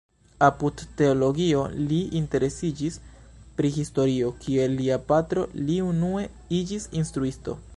Apud teologio li interesiĝis pri historio; kiel lia patro li unue iĝis instruisto.